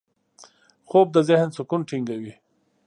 خوب د ذهن سکون ټینګوي